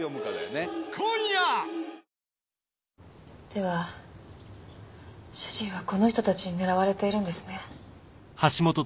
では主人はこの人たちに狙われているんですね？